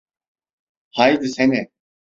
Haydisene.